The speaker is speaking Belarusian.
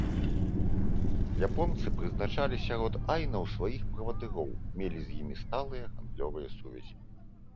Японцы прызначалі сярод айнаў сваіх правадыроў, мелі з імі сталыя гандлёвыя сувязі.